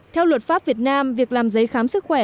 theo luật pháp việt nam việc làm giấy khám sức khỏe